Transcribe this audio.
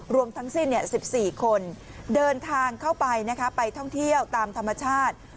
รวมทั้งสิ้น๑๔คนเดินทางเข้าไปไปท่องเที่ยวตามธรรมชาติ